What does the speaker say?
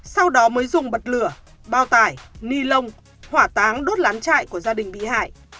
sau đó mới dùng bật lửa bao tải ni lông hỏa táng đốt lán trại của gia đình bị hại